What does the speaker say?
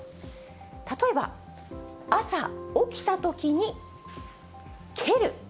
例えば朝起きたときに蹴る。